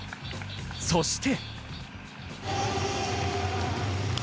そして。